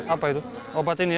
apa itu obat ini